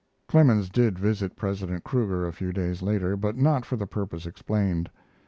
Clemens did visit President Kruger a few days later, but not for the purpose explained.